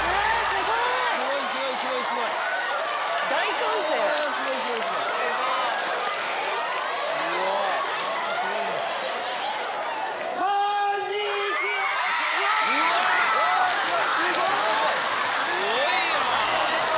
すごいな。